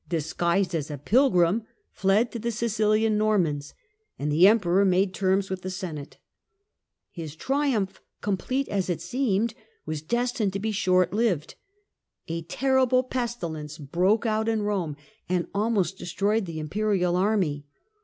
disguised as a pilgrim, fled to the Sicilian rick and Normans, and the Emperor made terms with the Senate. 1167 ' His triumph, complete as it seemed, was destined to be short lived. A terrible pestilence broke out in Eome, and almost destroyed the imperial army.